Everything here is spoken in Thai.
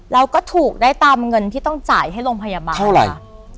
เราก็ถูกได้ตามเงินที่ต้องจ่ายให้โรงพยาบาลเท่าไหร่คะ